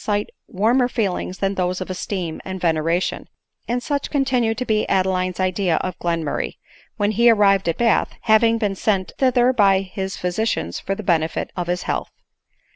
cite warmer feelings than those of esteem and veneration : and such continued to be Adeline's idea of Glenmur ray, when he arrived at Bath, having been sent thither by. bis physicians for the benefit of his health.